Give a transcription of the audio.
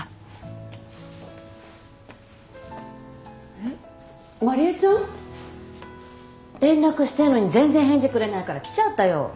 ・えっ麻理恵ちゃん？連絡してるのに全然返事くれないから来ちゃったよ。